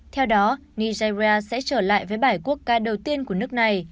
theo đó nigeria sẽ trở lại với bài quốc ca đầu tiên của nước này